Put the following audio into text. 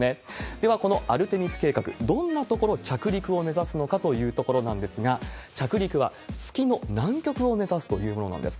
では、このアルテミス計画、どんな所に着陸を目指すのかというところなんですが、着陸は月の南極を目指すというものなんです。